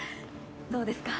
どうですか？